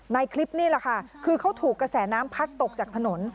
ในคลิปนี่แหละค่ะคือเขาถูกกระแสน้ำพัดตกจากถนน